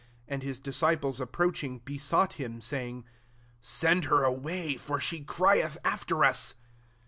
And his disciples approaching, besought him, saying, "Send her away, for she crieth after us.''